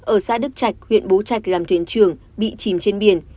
ở xã đức trạch huyện bố trạch làm thuyền trưởng bị chìm trên biển